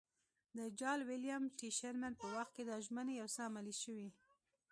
د جال ویلیم ټي شرمن په وخت کې دا ژمنې یو څه عملي شوې.